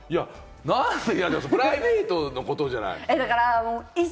プライベートのことじゃない。